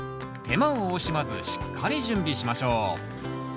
手間を惜しまずしっかり準備しましょう